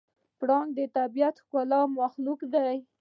پړانګ د طبیعت یو ښکلی مخلوق دی.